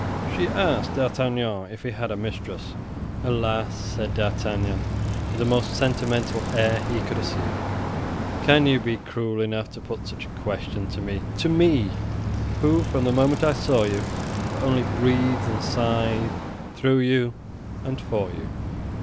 She asked D'Artagnan if he had a mistress. "Alas!" said D'Artagnan, with the most sentimental air he could assume, "can you be cruel enough to put such a question to me—to me, who, from the moment I saw you, have only breathed and sighed through you and for you?"